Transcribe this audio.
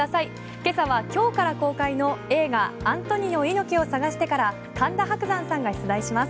今朝は今日から公開の映画「アントニオ猪木をさがして」から神田伯山さんが取材します。